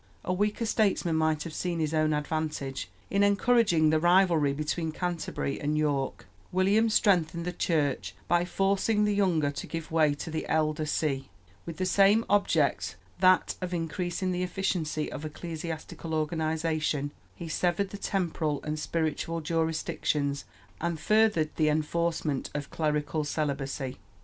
A weaker statesman might have seen his own advantage in encouraging the rivalry between Canterbury and York; William strengthened the Church by forcing the younger to give way to the elder see. With the same object, that of increasing the efficiency of ecclesiastical organization, he severed the temporal and spiritual jurisdictions and furthered the enforcement of clerical celibacy.